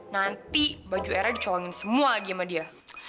nanti baju era dicolongin semua lagi sama dia